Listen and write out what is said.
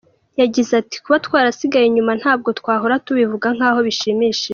Yagize ati “Kuba twarasigaye inyuma ntabwo twahora tubivuga nkaho bishimishije.